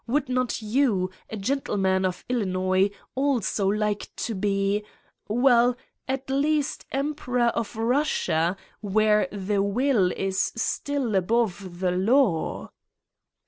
Would not you, a gentleman of Illinois, also like to be .... well, at least, Emperor of Russia, where the will is still above the law?"